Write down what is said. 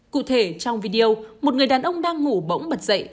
cụ thể trong video một người đàn ông đang ngủ bỗng bật dậy